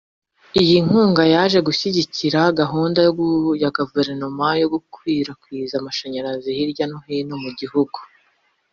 Iyi nkunga ije gushyigikira gahunda ya Guverinoma yo gukwirakwiza amashanyarazi hirya no hino mu gihugu